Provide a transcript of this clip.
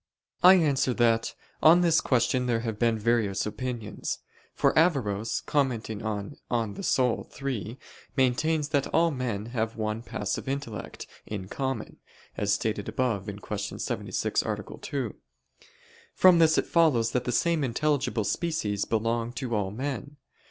I answer that, On this question there have been various opinions. For Averroes, commenting on De Anima iii, maintains that all men have one passive intellect in common, as stated above (Q. 76, A. 2). From this it follows that the same intelligible species belong to all men.